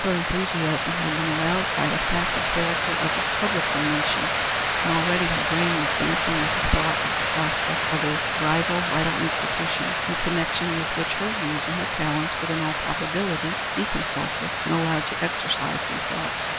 Her enthusiasm had been aroused by the fact and character of his public donation, and already her brain was dancing with the thought of the prospect of a rival vital institution in connection with which her views and her talents would in all probability be consulted and allowed to exercise themselves.